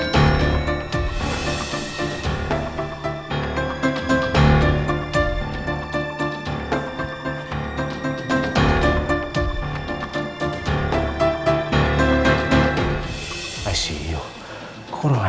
sampai jumpa di video selanjutnya